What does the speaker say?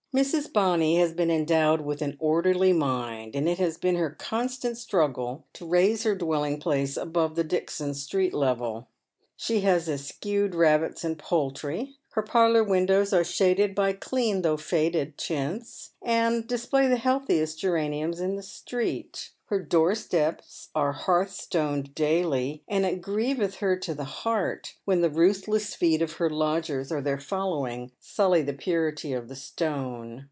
Mrs. Bonny has been endowed with an orderly mind, and it has been her constant struggle to raise her dwelling place above the Dixon Street level. She has eschewed rabbits and poultr}'. Her parlour windows are shaded by clean though faded chintz, and display the liealtiiiest geraniums in the street. Her door stepa are hearthstoned daily, and it grieveth her to the heart when the ruthless feet of her lodgers or their following sully the purity of the stone.